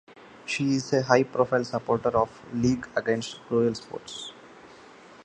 She is a high-profile supporter of the League Against Cruel Sports.